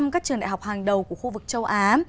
các trường đại học hàng đầu của khu vực châu á